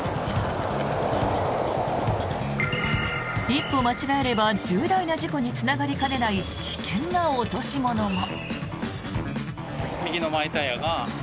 一歩間違えれば重大な事故につながりかねない危険な落とし物も。